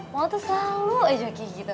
mama tuh selalu ejaki gitu